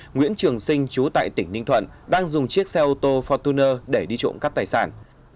nguyễn trường sinh chú tại tỉnh ninh thuận đang dùng chiếc xe ô tô fortuner để đi trộm cắp tài sản